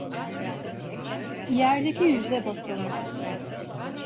Yerdeki yüze basılmaz.